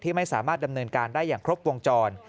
ไม่สามารถดำเนินการได้อย่างครบวงจร